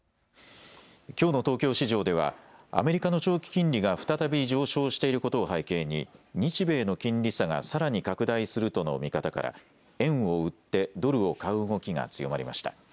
きょうの東京市場ではアメリカの長期金利が再び上昇していることを背景に日米の金利差がさらに拡大するとの見方から円を売ってドルを買う動きが強まりました。